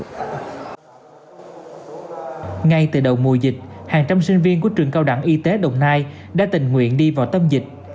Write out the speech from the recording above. ngay từ đầu mùa dịch hàng trăm sinh viên của trường cao đẳng y tế đồng nai đã tình nguyện đi vào tâm dịch